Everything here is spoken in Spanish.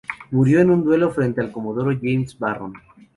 Murió en un duelo frente al comodoro James Barron.